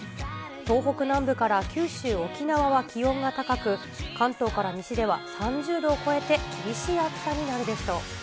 東北南部から九州、沖縄は気温が高く、関東から西では３０度を超えて厳しい暑さになるでしょう。